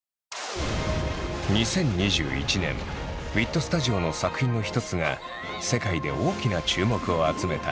２０２１年ＷＩＴＳＴＵＤＩＯの作品の一つが世界で大きな注目を集めた。